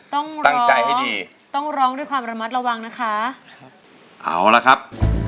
ต้องร้องต้องร้องด้วยความระมัดระวังนะคะครับเอาล่ะครับ